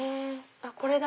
これだ。